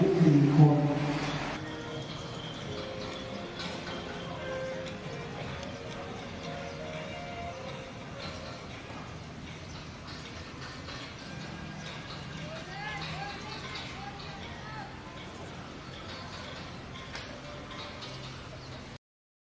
อัศวินธรรมชาวเจ็ดมีโรค๑๔คน